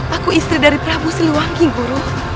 aku istri dari prabu siliwangi guru